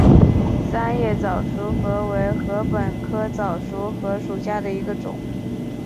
三叶早熟禾为禾本科早熟禾属下的一个种。